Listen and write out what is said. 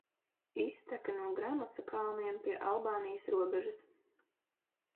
Izteka no Gramosa kalniem pie Albānijas robežas.